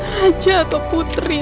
raja atau putri